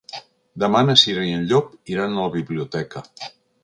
Demà na Cira i en Llop iran a la biblioteca.